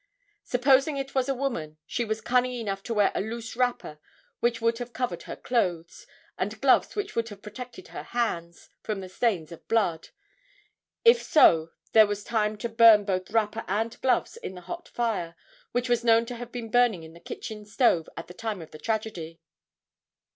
Supposing it was a woman, she was cunning enough to wear a loose wrapper which would have covered her clothes, and gloves which would have protected her hands from the stains of blood. If so there was time to burn both wrapper and gloves in the hot fire, which was known to have been burning in the kitchen stove at the time of the tragedy."